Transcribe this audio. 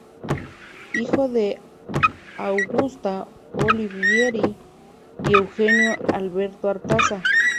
Hijo de Augusta Olivieri y Eugenio Alberto Artaza.